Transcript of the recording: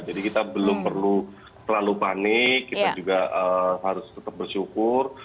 jadi kita belum perlu terlalu panik kita juga harus tetap bersyukur